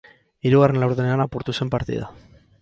Hirugarren laurdenean apurtu zen partida.